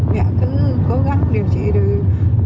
mẹ cứ cố gắng điều trị được